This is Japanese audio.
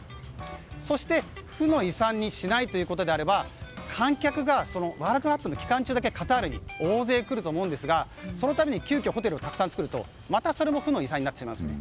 そして、負の遺産にしないということであれば観客がワールドカップの期間中だけカタールに大勢来ると思いますがそのために急きょホテルをたくさん作ると、またそれも負の遺産になってしまうと。